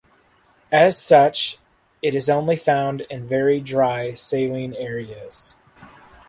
As such, it is only found in very dry saline areas.